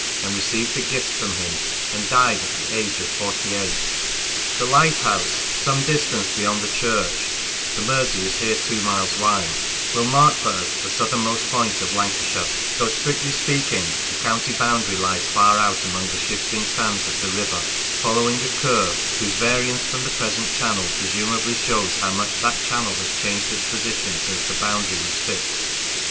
and received a "gift from him, and died at the age of forty eight. The lighthouse some distance beyond the church (the Mersey is here two miles wide) will mark for us the southernmost point of Lancashire, though, strictly ii Lancashire speaking, the county boundary lies far out among the shifting sands of the river, following a curve whose variance from the present channel presumably shows how much that channel has changed its position since the boundary was fixed.